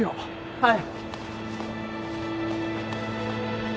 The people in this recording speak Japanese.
・はい。